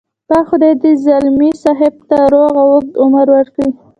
پاک خدای دې ځلمي صاحب ته روغ او اوږد عمر ورکړي.